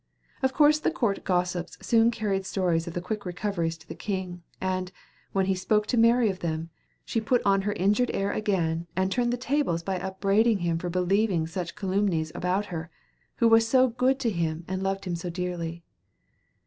Of course the court gossips soon carried stories of the quick recoveries to the king, and, when he spoke to Mary of them, she put on her injured air again and turned the tables by upbraiding him for believing such calumnies about her, who was so good to him and loved him so dearly.